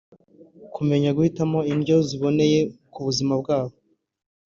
kumenya guhitamo indyo ziboneye ku buzima bwabo